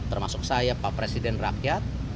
termasuk saya pak presiden rakyat